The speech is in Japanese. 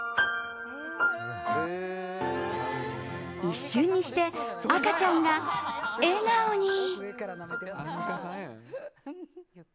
一瞬にして、赤ちゃんが笑顔に。